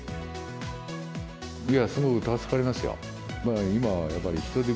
すごく助かりますよ。